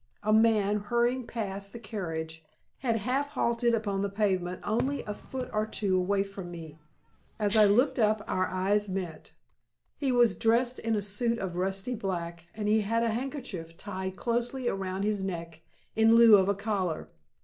A man hurrying past the carriage had half halted upon the pavement only a foot or two away from me. As I looked up our eyes met. He was dressed in a suit of rusty black, and he had a handkerchief tied closely around his neck in lieu of collar.